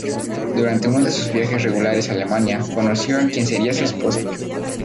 Durante uno de sus viajes regulares a Alemania, conoció a quien sería su esposa.